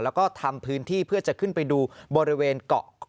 แล้วก็ทำพื้นที่เพื่อจะขึ้นไปดูบริเวณเกาะ